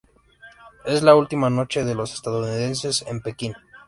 Es la última noche de los estadounidenses en Pekín.